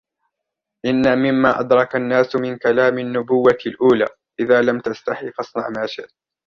إِنَّ مِمَّا أَدْرَكَ النَّاسُ مِنْ كَلاَمِ النُّبُوَّةِ الأُولَى إِذَا لَمْ تَسْتَحِ فَاصْنَعْ مَا شِئْتَ